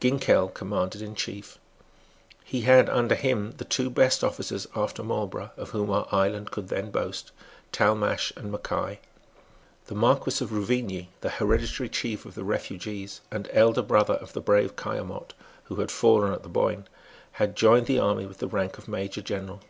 Ginkell commanded in chief. He had under him the two best officers, after Marlborough, of whom our island could then boast, Talmash and Mackay. The Marquess of Ruvigny, the hereditary chief of the refugees, and elder brother of the brave Caillemot, who had fallen at the Boyne, had joined the army with the rank of major general.